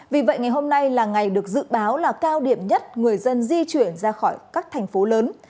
vì vậy ngày hôm nay là ngày được dự báo là cao điểm nhất người dân di chuyển ra khỏi các thành phố lớn